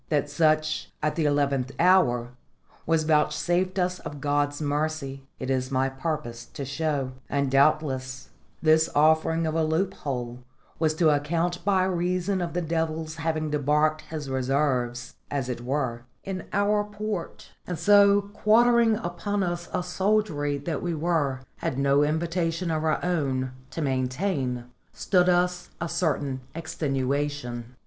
That such, at the eleventh hour, was vouchsafed us of God's mercy, it is my purpose to show; and, doubtless, this offering of a loop hole was to account by reason of the devil's having debarked his reserves, as it were, in our port; and so quartering upon us a soldiery that we were, at no invitation of our own, to maintain, stood us a certain extenuation.